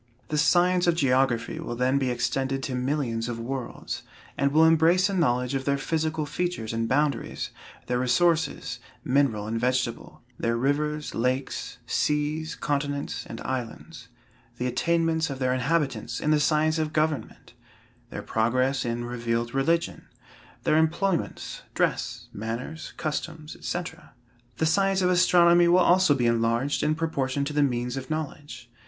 The science of geography will then be extended to millions of worlds, and will embrace a knowledge of their physical features and boundaries, their resources, mineral and vegetable; their rivers, lakes, seas, continents and islands; the attainments of their inhabitants in the science of government; their progress in revealed religion; their employments, dress, manners, customs, &c. The science of astronomy will also be enlarged in proportion to the means of knowledge.